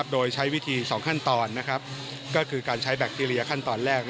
โดยใช้วิธี๒ขั้นตอนก็คือการใช้แบคทีเรียขั้นตอนแรก